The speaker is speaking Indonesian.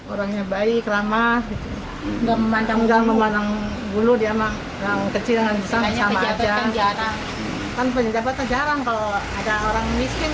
orangnya baik ramah nggak memancang mancang